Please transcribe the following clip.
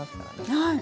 はい。